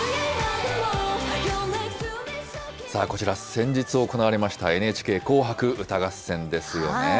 さあこちら、先日行われましたＮＨＫ紅白歌合戦ですよね。